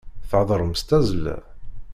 Theddṛem s tazzla.